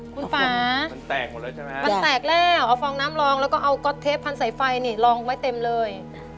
คุณป๊ามันแตกแล้วเอาฟองน้ำลองแล้วก็เอาก็อตเทปพันธุ์ใสไฟลองไว้เต็มเลย